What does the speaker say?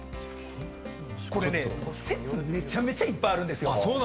これね説めちゃめちゃいっぱいあるんですよ。